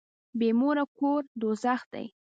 بي موره کور دوږخ دی.